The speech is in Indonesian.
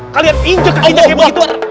kalian injek kakinya kayak begitu